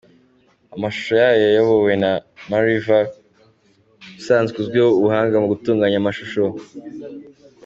Amashusho yayo yayobowe na MaRiva usanzwe uzwiho ubuhanga mu gutuganya amshusho.